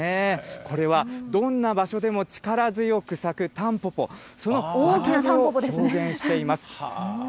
これは、どんな場所でも力強く咲くタンポポ、それを表現しています。